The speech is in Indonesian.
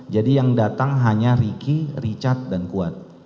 jadi yang datang hanya ricky richard dan kuat